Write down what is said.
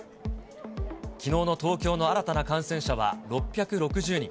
きのうの東京の新たな感染者は６６０人。